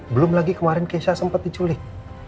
belum lagi kemarin keisha sempat diculik